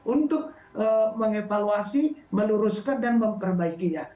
untuk mengevaluasi meluruskan dan memperbaikinya